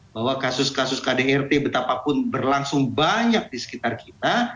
bahwa kasus kasus kdrt betapapun berlangsung banyak di sekitar kita